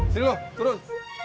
sini loh turun